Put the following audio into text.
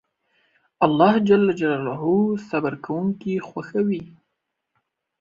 الله جل جلاله صبر کونکي خوښوي